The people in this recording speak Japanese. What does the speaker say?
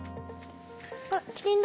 あっキリンだ。